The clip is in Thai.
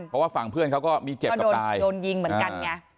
เพราะว่าฝั่งเพื่อนเขาก็มีเจ็บโดนยิงเหมือนกันไง